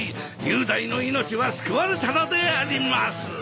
雄大の命は救われたのであります。